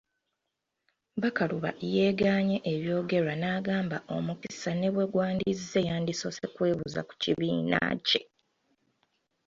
Bakaluba yeegaanye ebyogerwa n'agamba omukisa ne bwe gwandizze yandisoose kwebuuza ku kibiina kye.